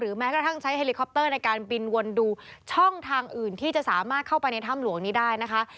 แม้กระทั่งใช้เฮลิคอปเตอร์ในการบินวนดูช่องทางอื่นที่จะสามารถเข้าไปในถ้ำหลวงนี้ได้นะคะ